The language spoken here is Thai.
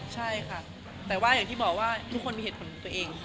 ใช่ค่ะแต่ว่าอย่างที่บอกว่าทุกคนมีเหตุผลของตัวเอง